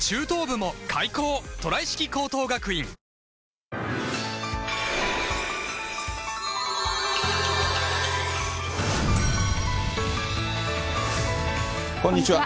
地元、こんにちは。